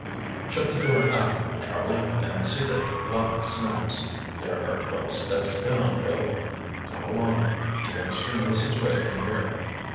"Shut the door after you, Charlie, and see that the lock snaps. There are twelve steps down, Bill. Come along—the youngster knows his way from here."